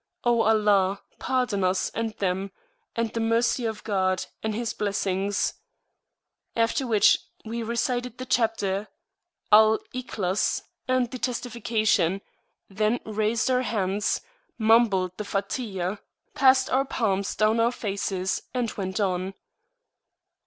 O Allah, pardon us and Them, and the Mercy of God, and His Blessings! After which we recited the Chapter Al Ikhlas and the Testification, then raised our hands, mumbled the Fatihah, passed our palms down our faces, and went on.